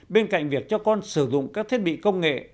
bên cạnh việc cho con sử dụng các thiết bị công nghệ